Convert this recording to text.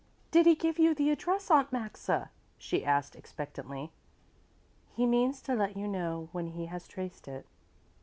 "Did he give you the address, Aunt Maxa," she asked expectantly. "He means to let you know when he has traced it."